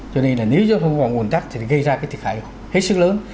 cho nên là nếu giao thông công cộng ồn tắc thì gây ra cái thiệt hại hết sức lớn